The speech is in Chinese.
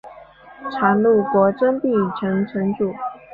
常陆国真壁城城主。